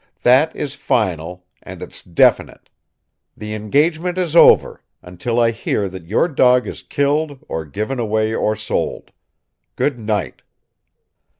That is final. And it's definite. The engagement is over until I hear that your dog is killed or given away or sold. Good night!"